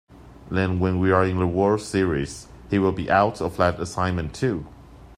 Then when we're in the World Series, he'll be out of that assignment, too.